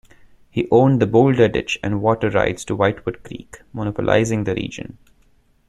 He owned the Boulder Ditch and water rights to Whitewood Creek, monopolizing the region.